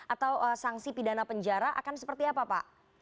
atau sanksi pidana penjara akan seperti apa pak